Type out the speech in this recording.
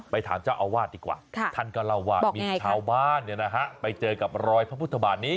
ถามเจ้าอาวาสดีกว่าท่านก็เล่าว่ามีชาวบ้านไปเจอกับรอยพระพุทธบาทนี้